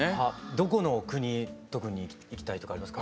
どこの国特に行きたいとかありますか？